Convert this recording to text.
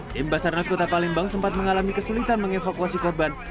tim basarnas kota palembang sempat mengalami kesulitan mengevakuasi korban